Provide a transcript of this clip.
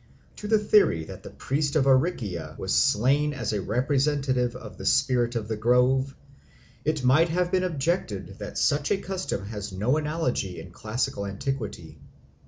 To the theory that the priest of Aricia was slain as a representative of the spirit of the grove, it might have been objected that such a custom has no analogy in classical antiquity.